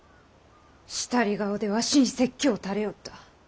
したり顔でわしに説教をたれおった。